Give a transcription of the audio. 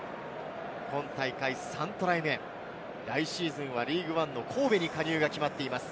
今大会３トライ目、来シーズンはリーグワンの神戸に加入が決まっています。